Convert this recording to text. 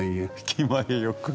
気前よく。